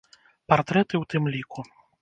Партрэты ў тым ліку.